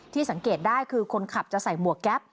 สังเกตได้คือคนขับจะใส่หมวกแก๊ป